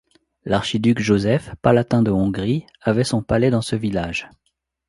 L'archiduc Joseph, palatin de Hongrie, avait son palais dans ce village.